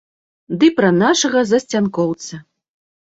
Ды пра нашага засцянкоўца.